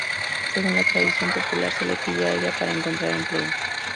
Según la tradición popular se le pide a ella para encontrar empleo.